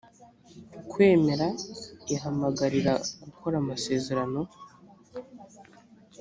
kwemera ihamagarira gukora amasezerano